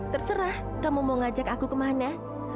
terserah kamu mau ngajak aku kemana